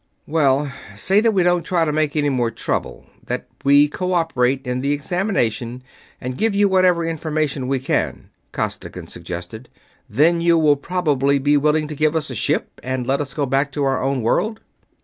"Well, say that we don't try to make any more trouble; that we cooperate in the examination and give you whatever information we can," Costigan suggested. "Then you will probably be willing to give us a ship and let us go back to our own world?"